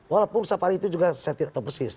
walaupun safari itu juga saya tidak tahu persis